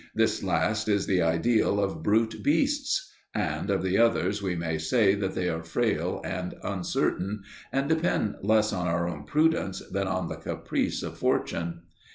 This last is the ideal of brute beasts; and of the others we may say that they are frail and uncertain, and depend less on our own prudence than on the caprice of fortune.